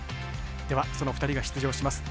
ではその２人が出場します